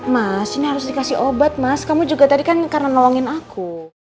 mas ini harus dikasih obat mas kamu juga tadi kan karena nolongin aku